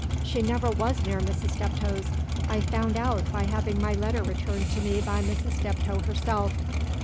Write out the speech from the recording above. She never was near Mrs. Steptoe's. I found out, by having my letter returned to me by Mrs. Steptoe herself.